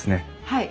はい。